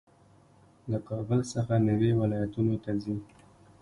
له کابل څخه میوې ولایتونو ته ځي.